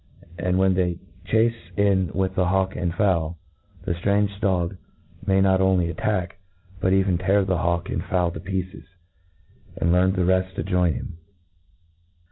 And when they chace in with the hawk and fowl, the ftrange dog may not only attack, but even tear the hawk and fowl to pieces, and learn the reft to join him.